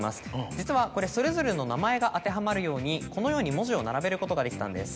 実はこれそれぞれの名前が当てはまるようにこのように文字を並べることができたんです。